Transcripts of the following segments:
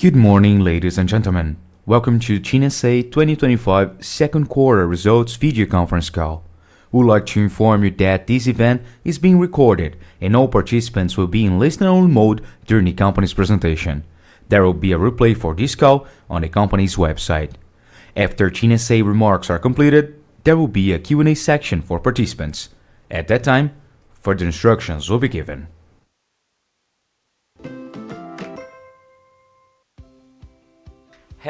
Good morning, ladies and gentlemen. Welcome to TIM S.A. 2025 second quarter results video conference call. We would like to inform you that this event is being recorded, and all participants will be in listen-only mode during the company's presentation. There will be a replay for this call on the company's website. After TIM S.A. remarks are completed, there will be a Q&A section for participants. At that time, further instructions will be given.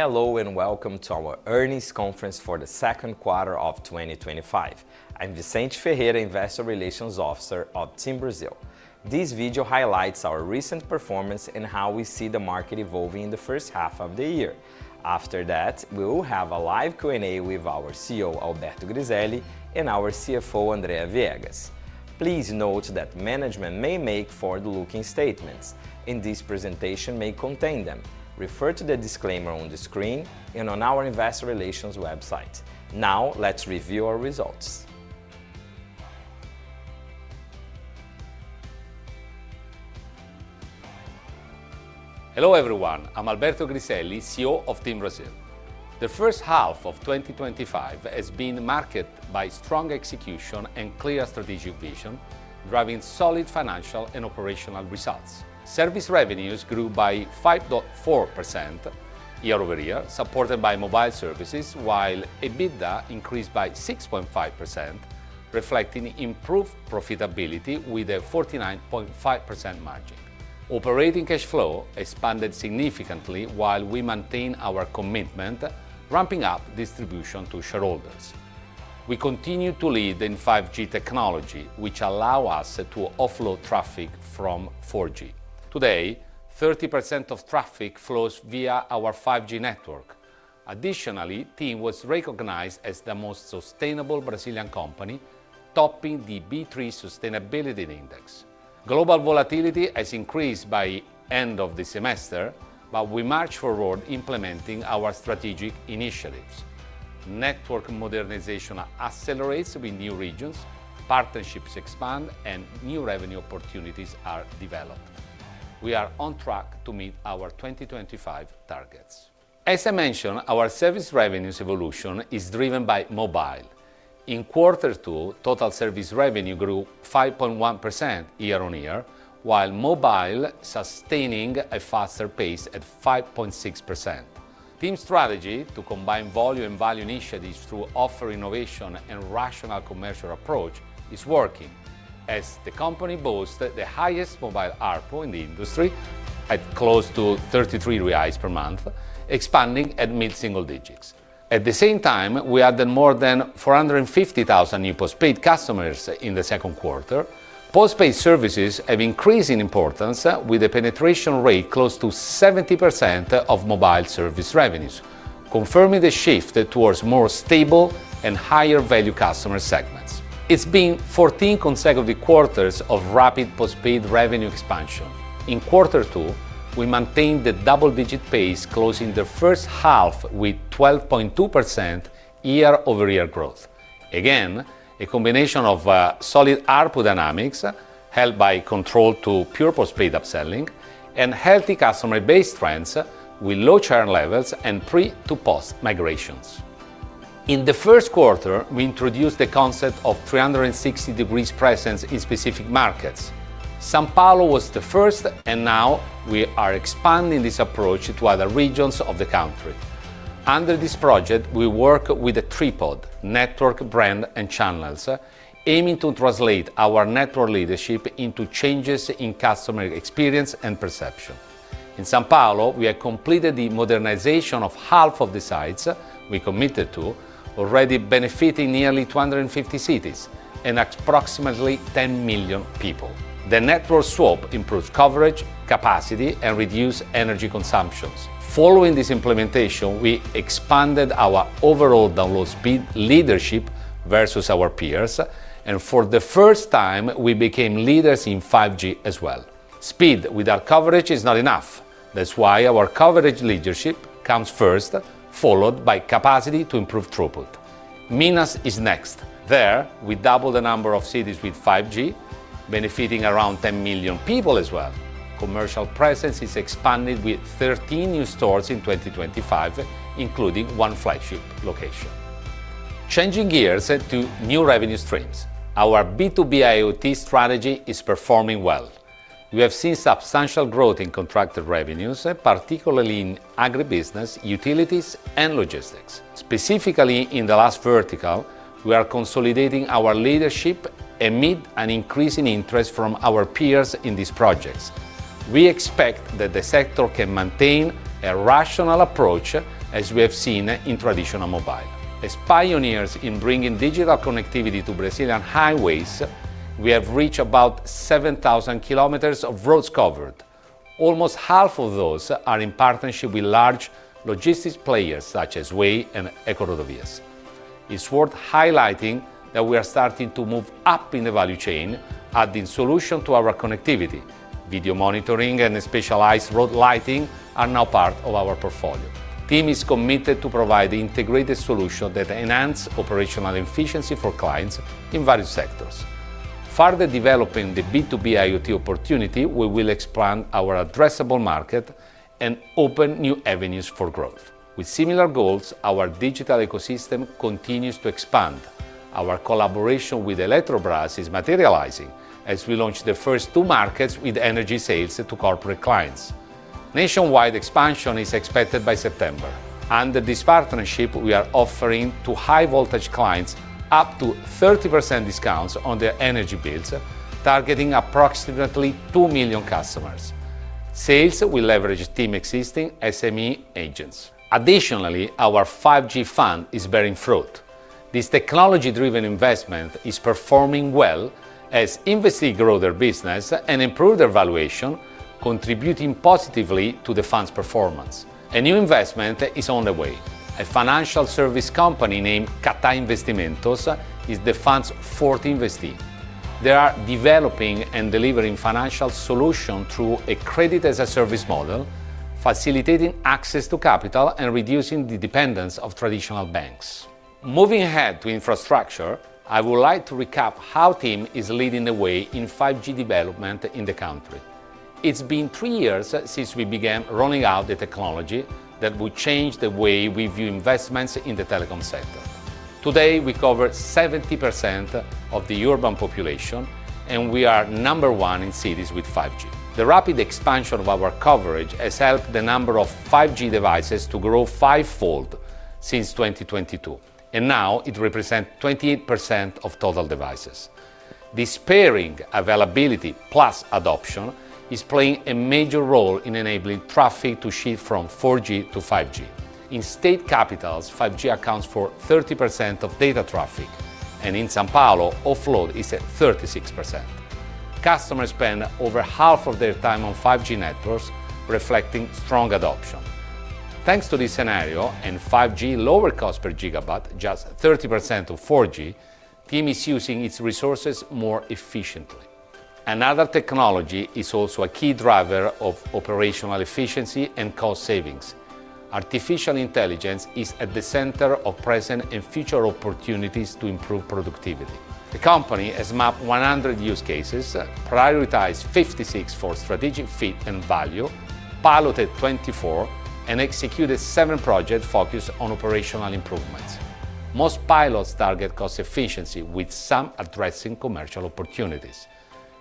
Hello and welcome to our earnings conference for the second quarter of 2025. I'm Vicente Ferreira, Investor Relations Officer of TIM Brasil. This video highlights our recent performance and how we see the market evolving in the first half of the year. After that, we will have a live Q&A with our CEO, Alberto Griselli, and our CFO, Andrea Viegas. Please note that management may make forward-looking statements, and this presentation may contain them. Refer to the disclaimer on the screen and on our Investor Relations website. Now, let's review our results. Hello everyone, I'm Alberto Griselli, CEO of TIM Brasil. The first half of 2025 has been marked by strong execution and clear strategic vision, driving solid financial and operational results. Service revenues grew by 5.4% year-over-year, supported by mobile services, while EBITDA increased by 6.5%, reflecting improved profitability with a 49.5% margin. Operating cash flow expanded significantly while we maintained our commitment, ramping up distribution to shareholders. We continue to lead in 5G technology, which allows us to offload traffic from 4G. Today, 30% of traffic flows via our 5G network. Additionally, TIM was recognized as the most sustainable Brazilian company, topping the B3 Sustainability Index. Global volatility has increased by the end of the semester, but we march forward, implementing our strategic initiatives. Network modernization accelerates with new regions, partnerships expand, and new revenue opportunities are developed. We are on track to meet our 2025 targets. As I mentioned, our service revenue's evolution is driven by mobile. In quarter two, total service revenue grew 5.1% year-on-year, while mobile sustained a faster pace at 5.6%. TIM's strategy to combine value and value initiatives through offer innovation and rational commercial approach is working, as the company boasts the highest mobile ARPU in the industry at close to BRL $33 per month, expanding at mid-single digits. At the same time, we added more than 450,000 new postpaid customers in the second quarter. Postpaid services have increased in importance, with a penetration rate close to 70% of mobile service revenues, confirming the shift towards more stable and higher-value customer segments. It's been 14 consecutive quarters of rapid postpaid revenue expansion. In quarter two, we maintained the double-digit pace, closing the first half with 12.2% year-over-year growth. Again, a combination of solid ARPU dynamics held by control to pure postpaid upselling and healthy customer base trends with low churn levels and prepaid-to-postpaid migrations. In the first quarter, we introduced the concept of 360° presence in specific markets. São Paulo was the first, and now we are expanding this approach to other regions of the country. Under this project, we work with a tripod: network, brand, and channels, aiming to translate our network leadership into changes in customer experience and perception. In São Paulo, we have completed the modernization of half of the sites we committed to, already benefiting nearly 250 cities and approximately 10 million people. The network swap improved coverage, capacity, and reduced energy consumption. Following this implementation, we expanded our overall download speed leadership versus our peers, and for the first time, we became leaders in 5G as well. Speed with our coverage is not enough. That's why our coverage leadership comes first, followed by capacity to improve throughput. Minas is next. There, we doubled the number of cities with 5G, benefiting around 10 million people as well. Commercial presence is expanded with 13 new stores in 2025, including one flagship location. Changing gears to new revenue streams, our B2B IoT strategy is performing well. We have seen substantial growth in contracted revenues, particularly in agribusiness, utilities, and logistics. Specifically, in the last vertical, we are consolidating our leadership amid an increasing interest from our peers in these projects. We expect that the sector can maintain a rational approach as we have seen in traditional mobile. As pioneers in bringing digital connectivity to Brazilian highways, we have reached about 7,000 km of roads covered. Almost half of those are in partnership with large logistics players such as Way and EcoRodovias. It's worth highlighting that we are starting to move up in the value chain, adding solutions to our connectivity. Video monitoring and specialized road lighting are now part of our portfolio. TIM is committed to providing integrated solutions that enhance operational efficiency for clients in various sectors. Further developing the B2B IoT opportunity, we will expand our addressable market and open new avenues for growth. With similar goals, our digital ecosystem continues to expand. Our collaboration with Eletrobras is materializing as we launch the first two markets with energy sales to corporate clients. Nationwide expansion is expected by September. Under this partnership, we are offering to high-voltage clients up to 30% discounts on their energy bills, targeting approximately 2 million customers. Sales will leverage TIM's existing SME agents. Additionally, our 5G fund is bearing fruit. This technology-driven investment is performing well as investors grow their business and improve their valuation, contributing positively to the fund's performance. A new investment is on the way. A financial service company named CATA Investimentos is the fund's fourth investor. They are developing and delivering financial solutions through a credit-as-a-service model, facilitating access to capital and reducing the dependence on traditional banks. Moving ahead to infrastructure, I would like to recap how TIM is leading the way in 5G development in the country. It's been three years since we began rolling out the technology that would change the way we view investments in the telecom sector. Today, we cover 70% of the urban population, and we are number one in cities with 5G. The rapid expansion of our coverage has helped the number of 5G devices to grow fivefold since 2022, and now it represents 28% of total devices. This pairing of availability plus adoption is playing a major role in enabling traffic to shift from 4G to 5G. In state capitals, 5G accounts for 30% of data traffic, and in São Paulo, offload is at 36%. Customers spend over half of their time on 5G networks, reflecting strong adoption. Thanks to this scenario and 5G lower cost per GB, just 30% of 4G, TIM is using its resources more efficiently. Another technology is also a key driver of operational efficiency and cost savings. Artificial intelligence is at the center of present and future opportunities to improve productivity. The company has mapped 100 use cases, prioritized 56 for strategic fit and value, piloted 24, and executed seven projects focused on operational improvements. Most pilots target cost efficiency, with some addressing commercial opportunities.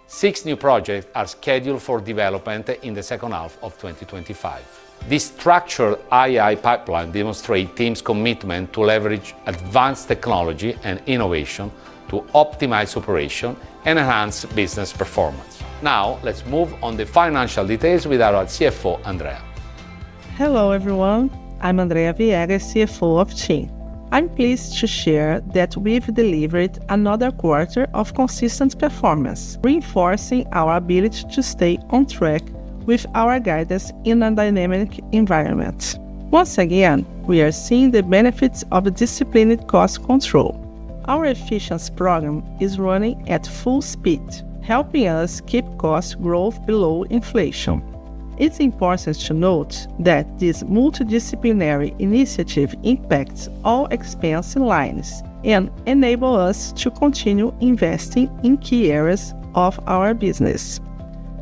Six new projects are scheduled for development in the second half of 2025. This structured AI pipeline demonstrates TIM's commitment to leverage advanced technology and innovation to optimize operations and enhance business performance. Now, let's move on to the financial details with our CFO, Andrea Viegas. Hello everyone. I'm Andrea Viegas, CFO of TIM. I'm pleased to share that we've delivered another quarter of consistent performance, reinforcing our ability to stay on track with our guidance in a dynamic environment. Once again, we are seeing the benefits of disciplined cost control. Our efficiency program is running at full speed, helping us keep cost growth below inflation. It's important to note that this multidisciplinary initiative impacts all expense lines and enables us to continue investing in key areas of our business.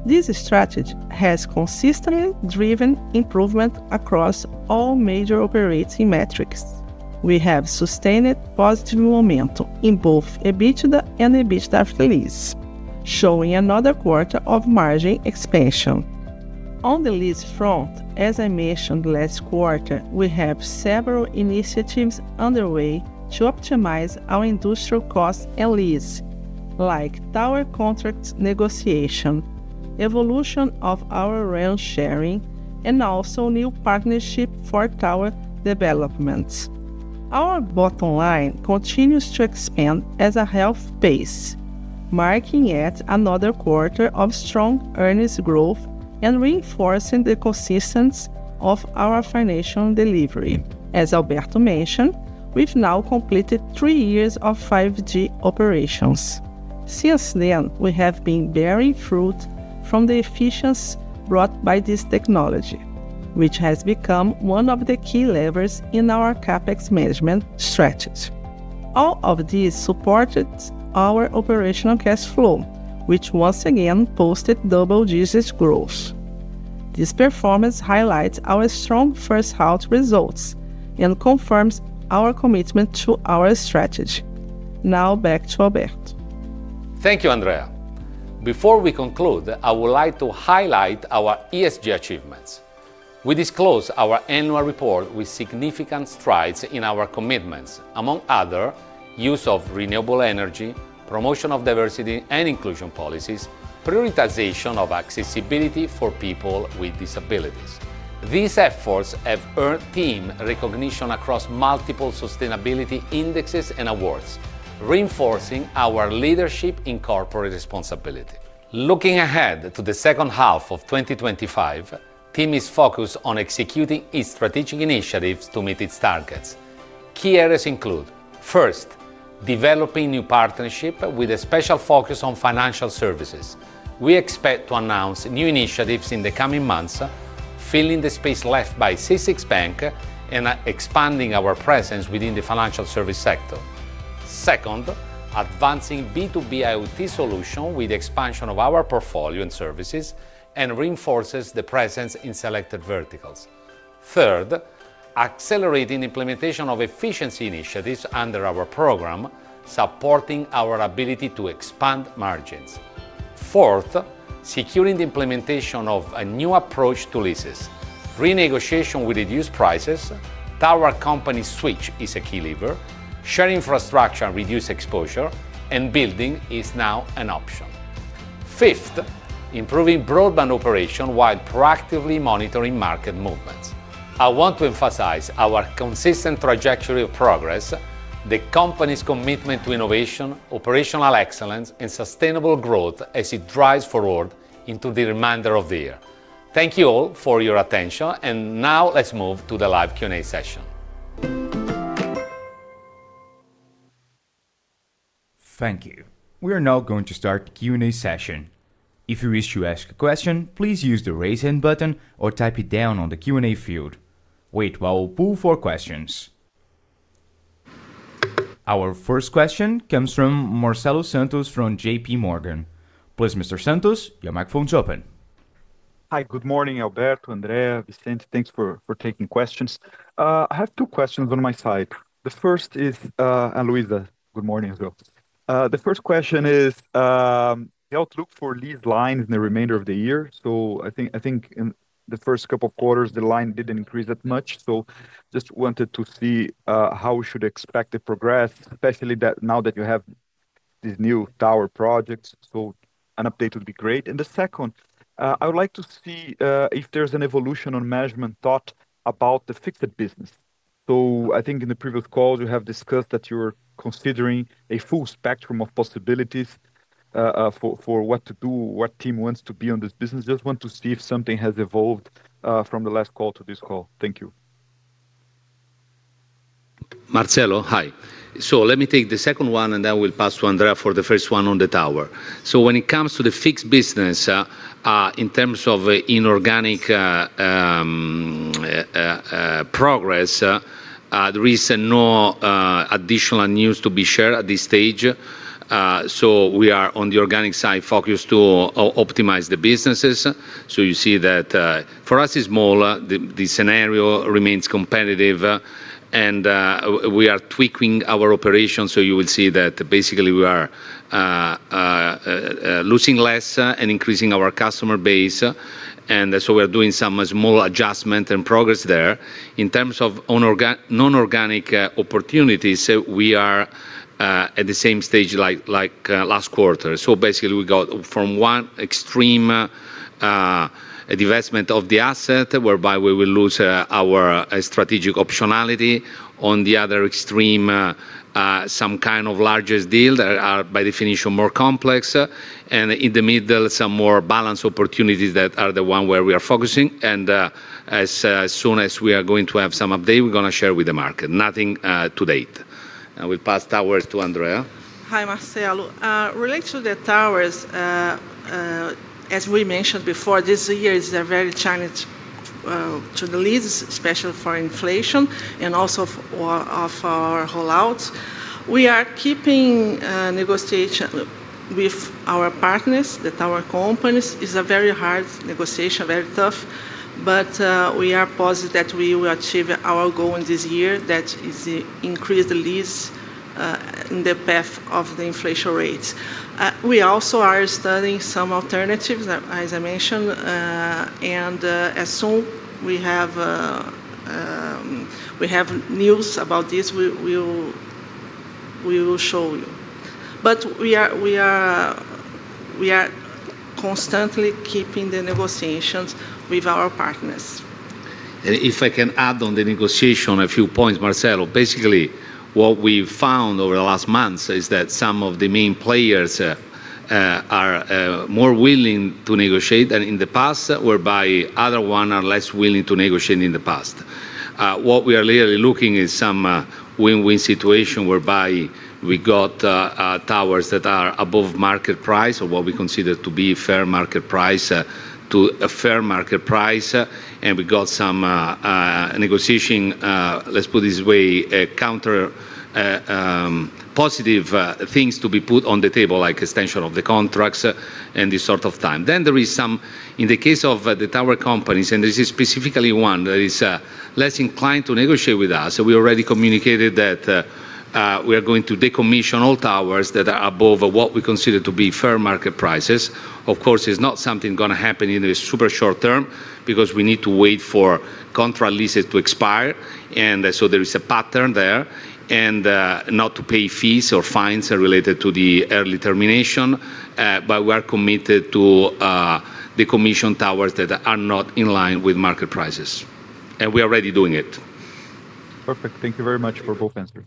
This strategy has consistently driven improvement across all major operating metrics. We have sustained positive momentum in both EBITDA and EBITDA release, showing another quarter of margin expansion. On the lease front, as I mentioned last quarter, we have several initiatives underway to optimize our industrial costs and lease, like tower contract negotiation, evolution of our rent sharing, and also new partnerships for tower development. Our bottom line continues to expand at a healthy pace, marking another quarter of strong earnings growth and reinforcing the consistency of our financial delivery. As Alberto mentioned, we've now completed three years of 5G operations. Since then, we have been bearing fruit from the efficiency brought by this technology, which has become one of the key levers in our CapEx management strategy. All of this supported our operational cash flow, which once again posted double-digit growth. This performance highlights our strong first-half results and confirms our commitment to our strategy. Now, back to Alberto. Thank you, Andrea. Before we conclude, I would like to highlight our ESG achievements. We disclosed our annual report with significant strides in our commitments, among other things, the use of renewable energy, promotion of diversity and inclusion policies, and prioritization of accessibility for people with disabilities. These efforts have earned TIM recognition across multiple sustainability indexes and awards, reinforcing our leadership in corporate responsibility. Looking ahead to the second half of 2025, TIM is focused on executing its strategic initiatives to meet its targets. Key areas include: First, developing new partnerships with a special focus on financial services. We expect to announce new initiatives in the coming months, filling the space left by C6 Bank and expanding our presence within the financial service sector. Second, advancing B2B IoT solutions with the expansion of our portfolio and services, and reinforcing the presence in selected verticals. Third, accelerating the implementation of efficiency initiatives under our program, supporting our ability to expand margins. Fourth, securing the implementation of a new approach to leases. Renegotiation with reduced prices, tower company switch is a key lever, sharing infrastructure and reduced exposure, and building is now an option. Fifth, improving broadband operations while proactively monitoring market movements. I want to emphasize our consistent trajectory of progress, the company's commitment to innovation, operational excellence, and sustainable growth as it drives forward into the remainder of the year. Thank you all for your attention, and now let's move to the live Q&A session. Thank you. We are now going to start the Q&A session. If you wish to ask a question, please use the raise hand button or type it down in the Q&A field. Wait while we pull for questions. Our first question comes from Marcelo Santos from JPMorgan. Please, Mr. Santos, your microphone is open. Hi, good morning, Alberto, Andrea, Vicente. Thanks for taking questions. I have two questions on my side. The first is, and Luisa, good morning as well. The first question is outlook for leased lines in the remainder of the year. I think in the first couple of quarters, the line didn't increase that much. I just wanted to see how we should expect to progress, especially now that you have these new tower projects. An update would be great. The second, I would like to see if there's an evolution on management thought about the fixed business. I think in the previous calls, you have discussed that you're considering a full spectrum of possibilities for what to do, what TIM wants to be on this business. I just want to see if something has evolved from the last call to this call. Thank you. Marcelo, hi. Let me take the second one, and then we'll pass to Andrea for the first one on the tower. When it comes to the fixed business, in terms of inorganic progress, there is no additional news to be shared at this stage. We are on the organic side, focused on optimizing the businesses. You see that for us, the scenario remains competitive, and we are tweaking our operations. You will see that basically we are losing less and increasing our customer base. We are doing some small adjustments and progress there. In terms of non-organic opportunities, we are at the same stage like last quarter. Basically, we got from one extreme, investment of the asset, whereby we will lose our strategic optionality. On the other extreme, some kind of largest deal that are by definition more complex. In the middle, some more balanced opportunities that are the one where we are focusing. As soon as we are going to have some update, we're going to share with the market. Nothing to date. We'll pass towers to Andrea. Hi, Marcelo. Related to the towers, as we mentioned before, this year is very challenging to the lease, especially for inflation and also of our rollouts. We are keeping negotiations with our partners, the tower companies. It's a very hard negotiation, very tough. We are positive that we will achieve our goal in this year, that is to increase the lease in the path of the inflation rates. We also are studying some alternatives, as I mentioned. As soon as we have news about this, we will show you. We are constantly keeping the negotiations with our partners. If I can add on the negotiation a few points, Marcelo, basically what we found over the last months is that some of the main players are more willing to negotiate than in the past, whereas other ones are less willing to negotiate than in the past. What we are literally looking at is some win-win situation whereby we got towers that are above market price or what we consider to be a fair market price. We got some negotiation, let's put it this way, counter positive things to be put on the table, like extension of the contracts and this sort of time. In the case of the tower companies, and this is specifically one that is less inclined to negotiate with us, we already communicated that we are going to decommission all towers that are above what we consider to be fair market prices. Of course, it's not something going to happen in the super short term because we need to wait for contract leases to expire, and there is a pattern there not to pay fees or fines related to the early termination. We are committed to decommission towers that are not in line with market prices, and we are already doing it. Perfect. Thank you very much for both answers.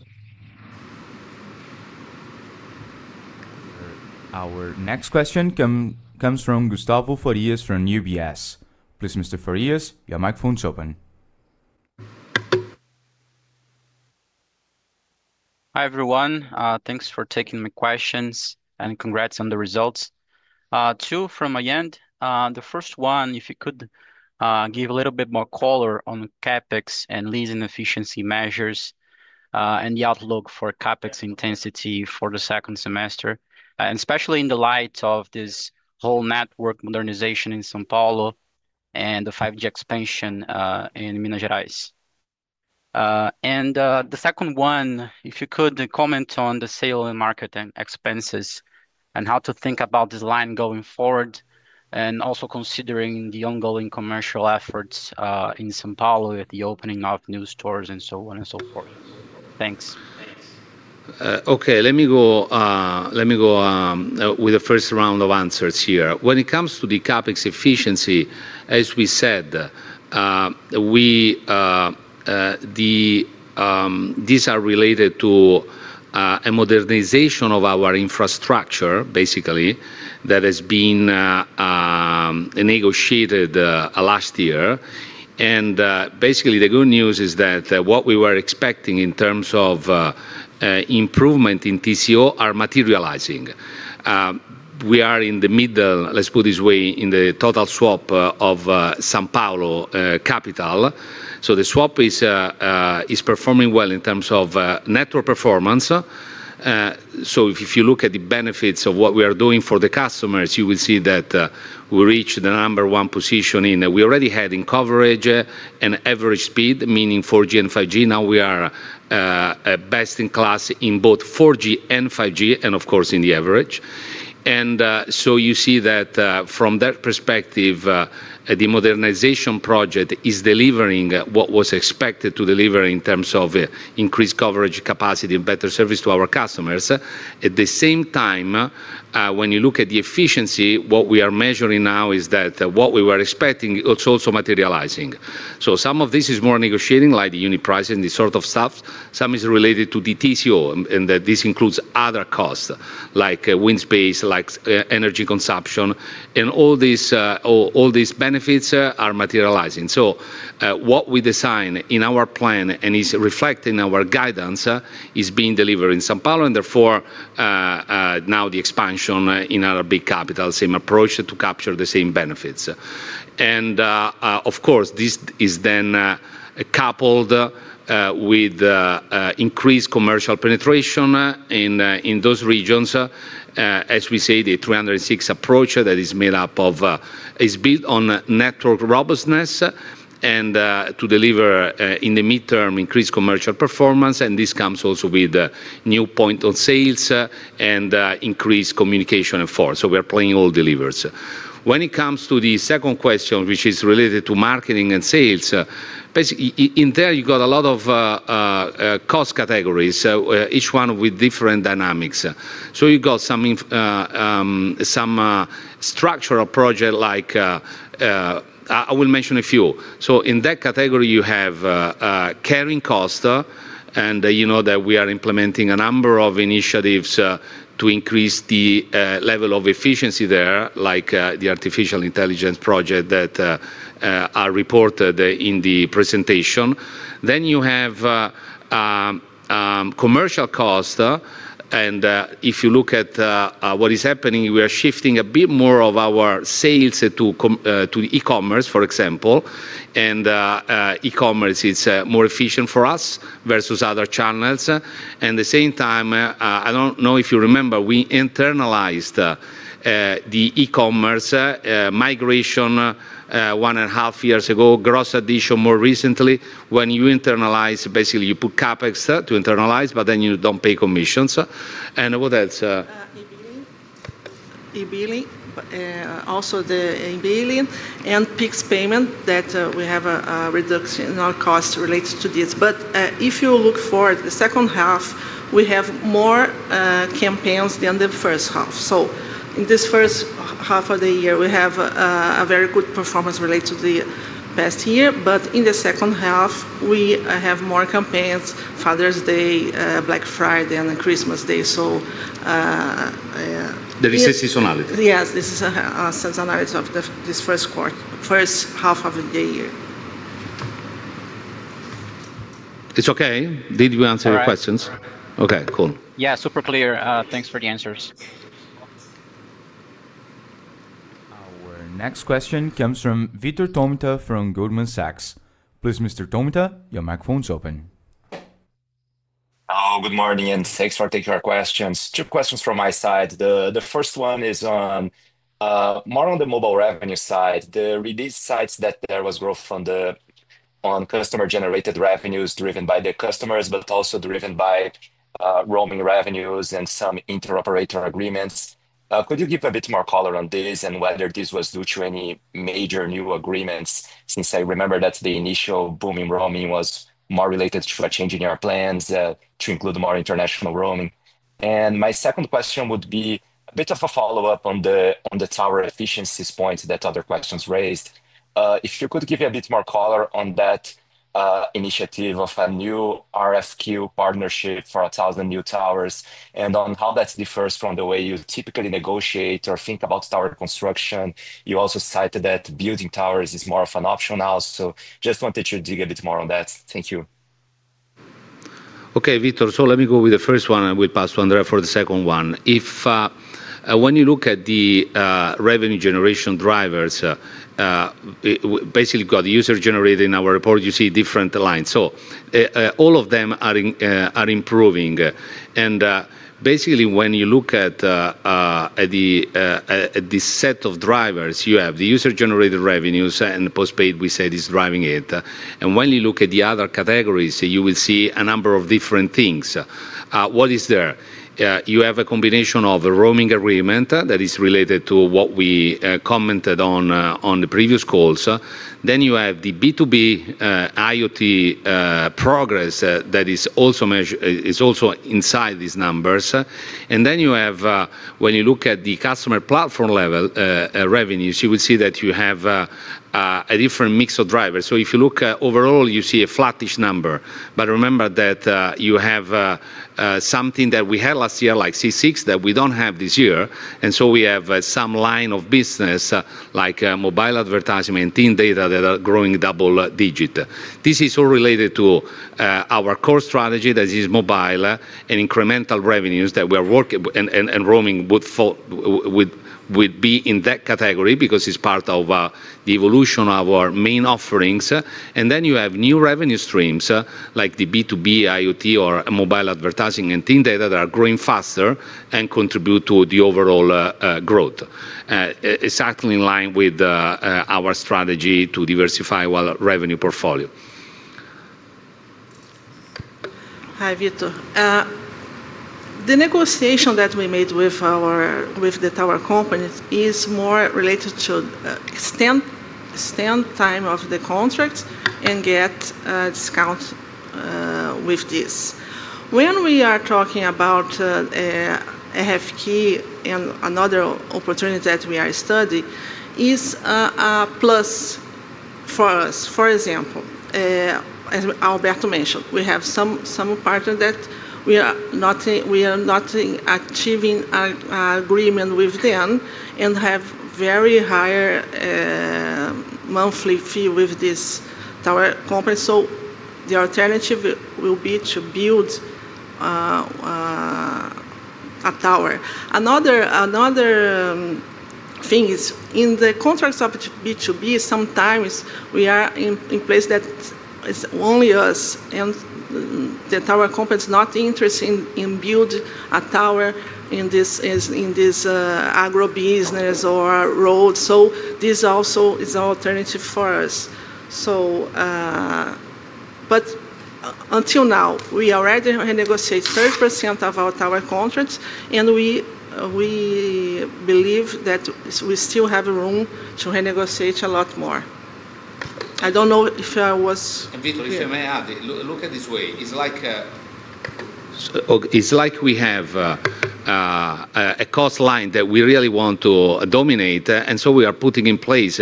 Our next question comes from Gustavo Farias from UBS. Please, Mr. Farias, your microphone is open. Hi everyone. Thanks for taking my questions and congrats on the results. Two from my end. The first one, if you could give a little bit more color on CapEx and leasing efficiency measures, and the outlook for CapEx intensity for the second semester, especially in the light of this whole network modernization in São Paulo and the 5G expansion in Minas Gerais. The second one, if you could comment on the sale and marketing expenses and how to think about this line going forward, also considering the ongoing commercial efforts in São Paulo with the opening of new stores and so on and so forth. Thanks. Thanks. Okay, let me go with the first round of answers here. When it comes to the CapEx efficiency, as we said, these are related to a modernization of our infrastructure, basically, that has been negotiated last year. The good news is that what we were expecting in terms of improvement in TCO are materializing. We are in the middle, let's put it this way, in the total swap of São Paulo Capital. The swap is performing well in terms of network performance. If you look at the benefits of what we are doing for the customers, you will see that we reached the number one position in that we already had in coverage and average speed, meaning 4G and 5G. Now we are best in class in both 4G and 5G, and of course, in the average. You see that from that perspective, the modernization project is delivering what was expected to deliver in terms of increased coverage capacity and better service to our customers. At the same time, when you look at the efficiency, what we are measuring now is that what we were expecting is also materializing. Some of this is more negotiating, like the unit price and this sort of stuff. Some is related to the TCO, and this includes other costs like wind space, like energy consumption, and all. These benefits are materializing. What we design in our plan and is reflected in our guidance is being delivered in São Paulo and therefore now the expansion in other big capitals, same approach to capture the same benefits. This is then coupled with increased commercial penetration in those regions. As we say, the 306 approach that is made up of is built on network robustness and to deliver in the midterm increased commercial performance. This comes also with new point of sales and increased communication effort. We are playing all delivers. When it comes to the second question, which is related to marketing and sales, basically in there you got a lot of cost categories, each one with different dynamics. You got some structural projects like, I will mention a few. In that category, you have carrying cost. You know that we are implementing a number of initiatives to increase the level of efficiency there, like the artificial intelligence project that are reported in the presentation. Then you have commercial cost. If you look at what is happening, we are shifting a bit more of our sales to e-commerce, for example. E-commerce is more efficient for us versus other channels. At the same time, I don't know if you remember, we internalized the e-commerce migration one and a half years ago, gross addition more recently. When you internalize, basically you put CapEx to internalize, but then you don't pay commissions. What else? E-billing. Also, the e-billing and fixed payment mean that we have a reduction in our costs related to this. If you look forward to the second half, we have more campaigns than the first half. In this first half of the year, we have a very good performance related to the past year. In the second half, we have more campaigns: Father's Day, Black Friday, and Christmas Day. This is seasonality. Yes, this is a seasonality of this first half of the year. It's okay. Did you answer your questions? Okay, cool. Yeah, super clear. Thanks for the answers. Our next question comes from Vitor Tomita from Goldman Sachs. Please, Mr. Tomita, your microphone is open. Hello, good morning, and thanks for taking our questions. Two questions from my side. The first one is more on the mobile revenue side. The release cites that there was growth on customer-generated revenues driven by the customers, but also driven by roaming revenues and some interoperator agreements. Could you give a bit more color on this and whether this was due to any major new agreements? I remember that the initial boom in roaming was more related to changing our plans to include more international roaming. My second question would be a bit of a follow-up on the tower efficiencies points that other questions raised. If you could give me a bit more color on that initiative of a new RFQ partnership for 1,000 new towers and on how that differs from the way you typically negotiate or think about tower construction. You also cited that building towers is more of an option now. I just wanted you to dig a bit more on that. Thank you. Okay, Vitor, let me go with the first one and we'll pass to Andrea for the second one. When you look at the revenue generation drivers, basically, you have user-generated in our report, you see different lines. All of them are improving. When you look at the set of drivers, you have the user-generated revenues and postpaid, we say, is driving it. When you look at the other categories, you will see a number of different things. What is there? You have a combination of a roaming agreement that is related to what we commented on the previous calls. You have the B2B IoT progress that is also inside these numbers. When you look at the customer platform level revenues, you will see that you have a different mix of drivers. If you look overall, you see a flattish number. Remember that you have something that we had last year, like C6, that we don't have this year. We have some line of business like mobile advertising and teen data that are growing double digit. This is all related to our core strategy that is mobile and incremental revenues that we are working, and roaming would be in that category because it's part of the evolution of our main offerings. You have new revenue streams like the B2B IoT or mobile advertising and teen data that are growing faster and contribute to the overall growth, exactly in line with our strategy to diversify our revenue portfolio. Hi, Vitor. The negotiation that we made with the tower companies is more related to extend time of the contract and get a discount. With this, when we are talking about FFT and another opportunity that we are studying, it is a plus for us. For example, as Alberto mentioned, we have some partners that we are not achieving an agreement with and have very high monthly fee with this tower company. The alternative will be to build a tower. Another thing is in the contracts of B2B, sometimes we are in a place that it's only us and the tower company is not interested in building a tower in this agribusiness or road. This also is an alternative for us. Until now, we already renegotiated 30% of our tower contracts, and we believe that we still have room to renegotiate a lot more. I don't know if I was. Vitor, if I may add, look at it this way. We have a cost line that we really want to dominate, and we are putting in place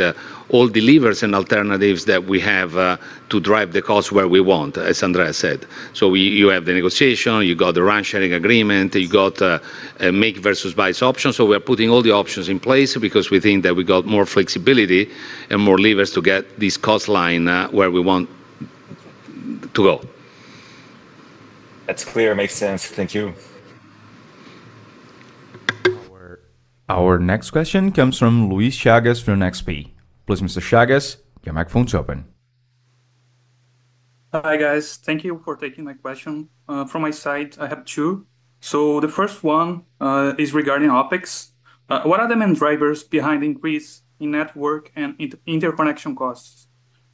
all the levers and alternatives that we have to drive the cost where we want, as Andrea said. You have the negotiation, you have the rent sharing agreement, you have a make versus buy option. We are putting all the options in place because we think that we have more flexibility and more levers to get this cost line where we want to go. That's clear. Makes sense. Thank you. Our next question comes from Luís Chagas from XP. Please, Mr. Chagas, your microphone is open. Hi guys. Thank you for taking my question. From my side, I have two. The first one is regarding OpEx. What are the main drivers behind the increase in network and interconnection costs?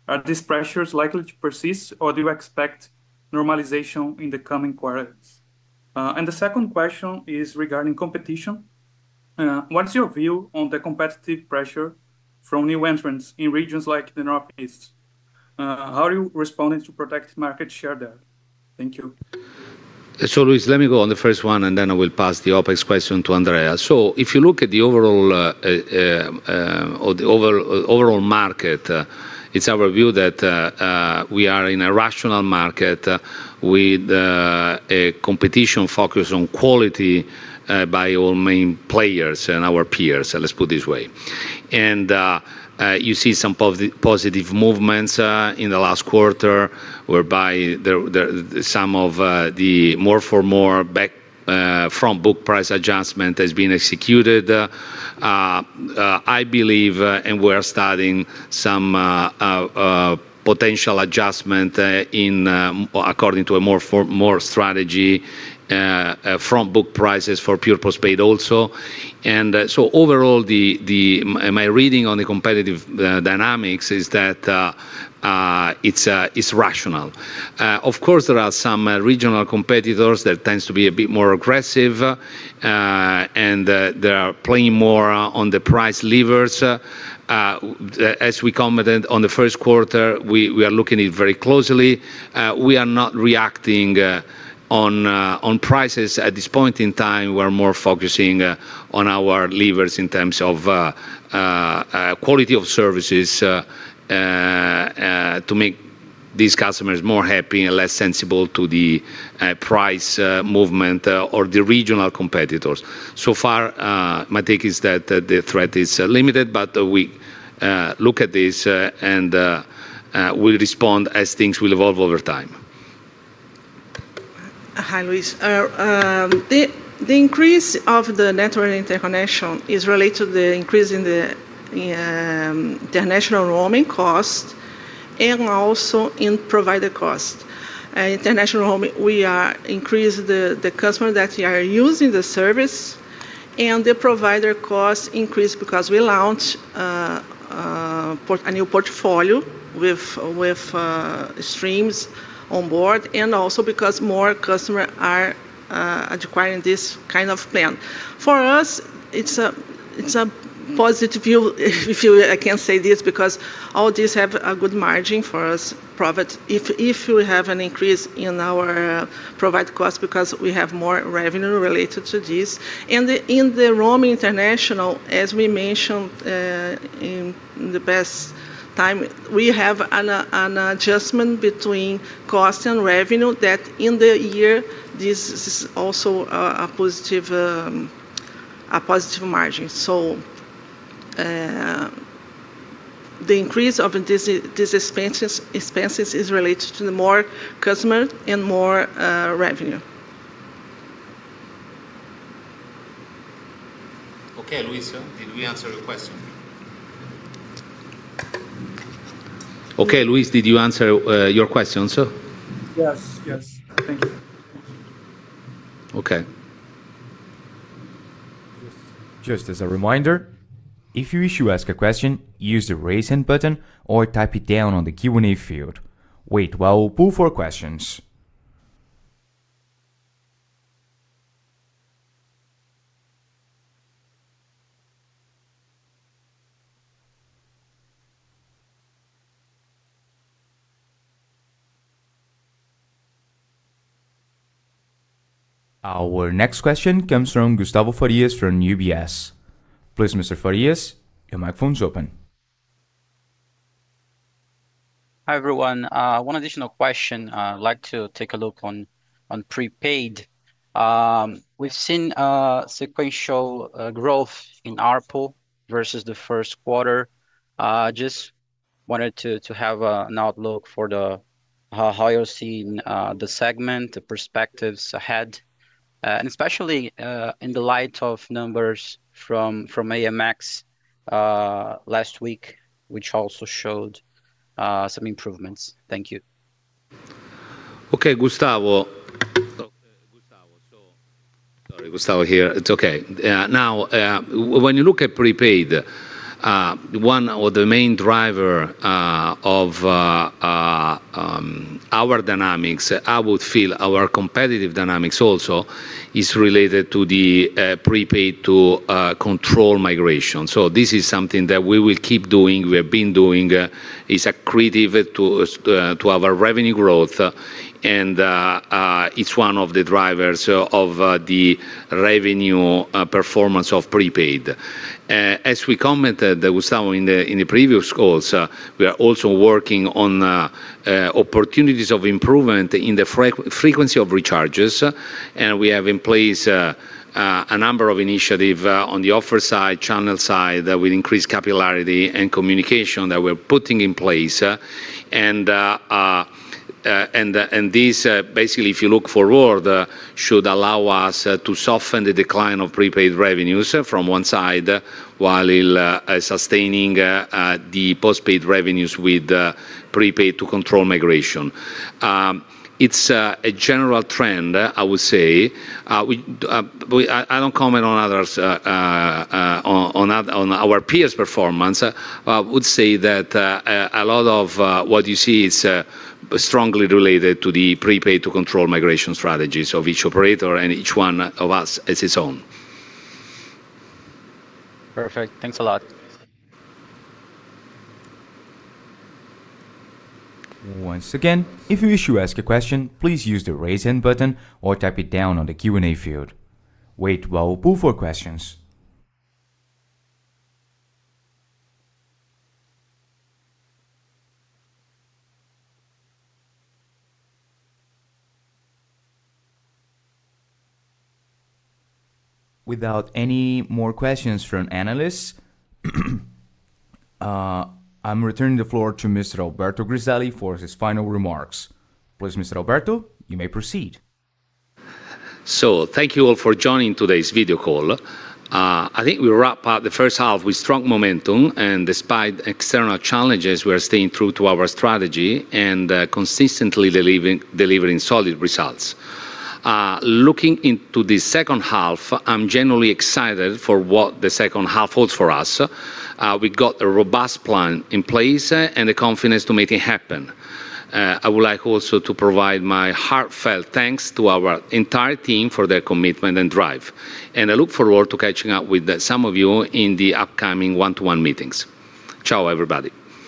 Are these pressures likely to persist or do you expect normalization in the coming quarters? The second question is regarding competition. What's your view on the competitive pressure from new entrants in regions like the Northeast? How are you responding to protect market share there? Thank you. Luís, let me go on the first one, and then I will pass the OpEx question to Andrea. If you look at the overall market, it's our view that we are in a rational market, with competition focused on quality by all main players and our peers. Let's put it this way. You see some positive movements in the last quarter whereby some of the more for more back from book price adjustment has been executed. I believe, and we are studying some potential adjustment according to a more strategy from book prices for pure postpaid also. Overall, my reading on the competitive dynamics is that it's rational. Of course, there are some regional competitors that tend to be a bit more aggressive, and they are playing more on the price levers. As we commented on the first quarter, we are looking at it very closely. We are not reacting on prices at this point in time. We are more focusing on our levers in terms of quality of services to make these customers more happy and less sensible to the price movement or the regional competitors. So far, my take is that the threat is limited, but we look at this and will respond as things will evolve over time. Hi, Luís. The increase of the network interconnection is related to the increase in the international roaming cost and also in provider cost. International roaming, we are increasing the customers that are using the service, and the provider cost increased because we launched a new portfolio with streams on board and also because more customers are acquiring this kind of plan. For us, it's a positive view, if I can say this, because all these have a good margin for us, profit, if we have an increase in our provided cost because we have more revenue related to this. In the roaming international, as we mentioned in the past time, we have an adjustment between cost and revenue that in the year, this is also a positive margin. The increase of these expenses is related to more customers and more revenue. Okay, Luis, did we answer your question? Okay, Luis, did you answer your question? Yes, thank you. Okay. Just as a reminder, if you wish to ask a question, use the raise hand button or type it down in the Q&A field. Wait while we pull for questions. Our next question comes from Gustavo Farias from UBS. Please, Mr. Farias, your microphone is open. Hi everyone. One additional question. I'd like to take a look on prepaid. We've seen sequential growth in ARPU versus the first quarter. Just wanted to have an outlook for the segment, how you're seeing the segment, the perspectives ahead, and especially in the light of numbers from AMX last week, which also showed some improvements. Thank you. Okay, Gustavo. Sorry, Gustavo here. It's okay. Now, when you look at prepaid, one of the main drivers of our dynamics, I would feel our competitive dynamics also is related to the prepaid-to-control migration. This is something that we will keep doing. We have been doing it. It's accredited to our revenue growth, and it's one of the drivers of the revenue performance of prepaid. As we commented, Gustavo, in the previous calls, we are also working on opportunities of improvement in the frequency of recharges. We have in place a number of initiatives on the offer side and channel side, with increased capillarity and communication that we're putting in place. This, basically, if you look forward, should allow us to soften the decline of prepaid revenues from one side while sustaining the postpaid revenues with prepaid-to-control migration. It's a general trend, I would say. I don't comment on others, on our peers' performance. I would say that a lot of what you see is strongly related to the prepaid-to-control migration strategies of each operator, and each one of us has its own. Perfect. Thanks a lot. Once again, if you wish to ask a question, please use the raise hand button or type it down on the Q&A field. Wait while we pull for questions. Without any more questions from analysts, I'm returning the floor to Mr. Alberto Griselli for his final remarks. Please, Mr. Alberto, you may proceed. Thank you all for joining today's video call. I think we wrap up the first half with strong momentum, and despite external challenges, we are staying true to our strategy and consistently delivering solid results. Looking into the second half, I'm genuinely excited for what the second half holds for us. We got a robust plan in place and the confidence to make it happen. I would like also to provide my heartfelt thanks to our entire team for their commitment and drive. I look forward to catching up with some of you in the upcoming one-to-one meetings. Ciao, everybody.